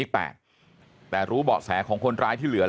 แล้วก็จะขยายผลต่อด้วยว่ามันเป็นแค่เรื่องการทวงหนี้กันอย่างเดียวจริงหรือไม่